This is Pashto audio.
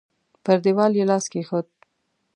پر دېوال يې لاس کېښود.